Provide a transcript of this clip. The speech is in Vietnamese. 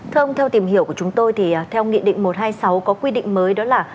thưa ông theo tìm hiểu của chúng tôi thì theo nghị định một trăm hai mươi sáu có quy định mới đó là